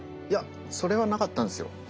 いやそれはなかったんですよ。